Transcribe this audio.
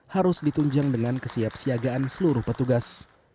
harus ditunjang dengan kesiap siagaan seluruh petugas